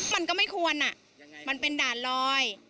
มันก็ไม่ควรมันเป็นด่านลอย